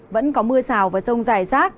vẫn có mưa rào và rông dài rác